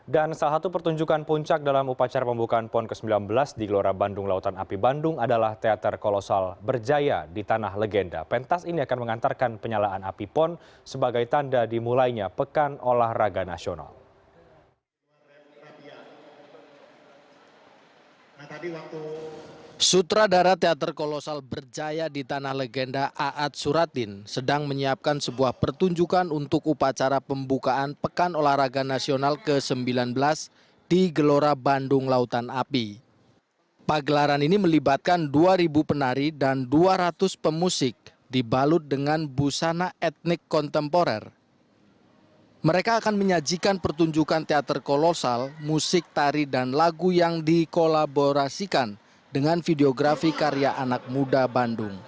dan salah satu pertunjukan puncak dalam upacara pembukaan pon ke sembilan belas di lora bandung lautan api bandung adalah teater kolosal berjaya di tanah legenda